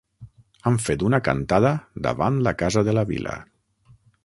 Han fet una cantada davant la casa de la vila.